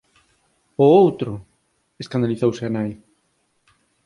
_¡O outro! _escandalizouse a nai_.